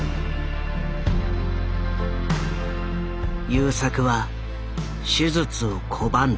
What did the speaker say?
優作は手術を拒んだ。